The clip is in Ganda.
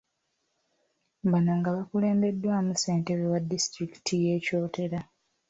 Bano nga bakulembeddwamu ssentebe wa disitulikiti y’e Kyotera.